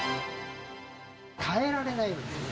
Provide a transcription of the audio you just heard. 変えられないですね。